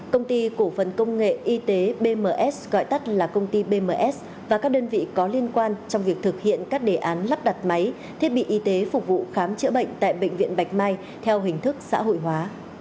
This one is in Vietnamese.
công ty cổ phần công nghệ y tế bms gọi tắt là công ty bms và các đơn vị có liên quan trong việc thực hiện các đề án lắp đặt máy thiết bị y tế phục vụ khám chữa bệnh tại bệnh viện bạch mai theo hình thức xã hội hóa